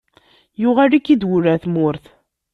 Yuɣal-ik-id wul ɣer tmurt.